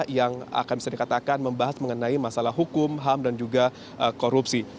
yang akan bisa dikatakan membahas mengenai masalah hukum ham dan juga korupsi